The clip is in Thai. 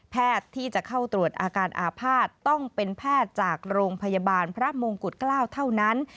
ที่จะเข้าตรวจอาการอาภาษณ์ต้องเป็นแพทย์จากโรงพยาบาลพระมงกุฎเกล้าเท่านั้น